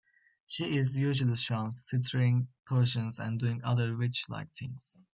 She is usually shown stirring potions and doing other witch-like things.